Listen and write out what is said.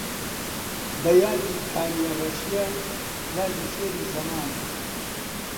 بە یادی کانیەڕەشیە یادی شێری زەمانە